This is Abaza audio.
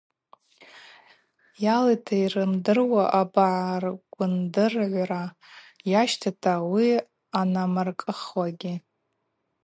Йалитӏ йрымдыруа абагӏаргвындыргӏвра йащтата ауи анамыркӏыхуагьи.